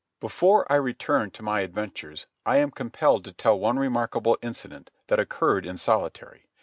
Before I return to my adventures I am compelled to tell one remarkable incident that occurred in solitary.